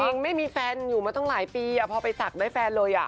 จริงไม่มีแฟนอยู่มาตั้งหลายปีพอไปสักได้แฟนเลยอ่ะ